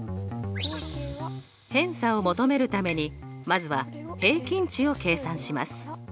偏差を求めるためにまずは平均値を計算します。